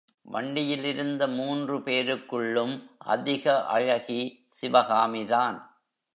வண்டியில் இருந்த மூன்று பேருக்குள்ளும் அதிக அழகி சிவகாமிதான்.